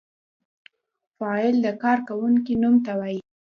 فاعل د کار کوونکی نوم ته وايي.